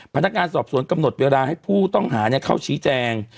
พนักงานสอบสวนกำหนดเวลาให้ผู้ต้องหาเข้าชี้แจง